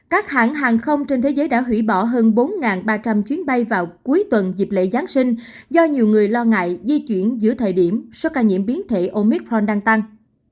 các hãng hàng không trên thế giới đã hủy bỏ hơn bốn ba trăm linh chuyến bay vào cuối tuần dịp lễ giáng sinh do nhiều người lo ngại di chuyển giữa thời điểm số ca nhiễm biến thể omitron đang tăng